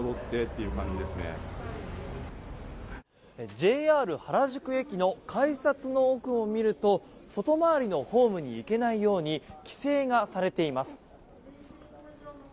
ＪＲ原宿駅の改札の奥を見ると外回りのホームに行けないように規制がされています。